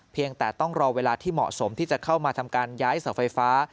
เพียงแต่ต้องรอเวลาที่เหมาะสมที่จะเข้ามาทำการย้ายเสาไฟฟ้า